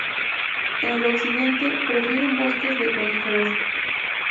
En el occidente, prefieren bosques de coníferas.